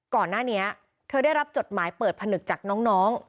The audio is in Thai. ก่อนหน้านี้เธอได้รับจดหมายเปิดผนึกจากน้อง